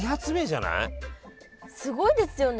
すごいですよね。